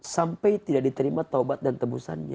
sampai tidak diterima taubat dan tebusannya